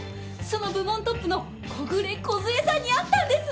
その部門トップの小暮梢さんに会ったんです！